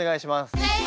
はい！